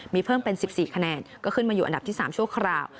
มีเพิ่มเป็น๑๔คะแนนก็ขึ้นมาอยู่อันดับที่๓ชั่วคราว